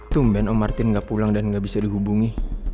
tumben om martin gak pulang dan gak bisa dihubungi